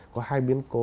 có hai biến cố